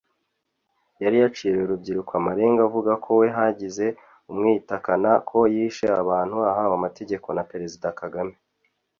yari yaciriye urubyiruko amarenga avuga ko we hagize umwitakana ko yishe abantu ahawe amategeko na Perezida Kagame